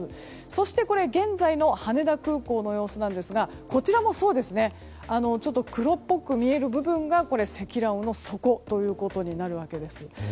そしてこちら、現在の羽田空港の様子なんですがこちらもちょっと黒っぽく見える部分が積乱雲の底となるわけです。